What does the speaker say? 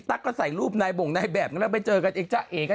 นัดมราบแล้วที่เจอกันเองไอ้เถอะ